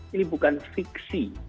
ini bukan fiksi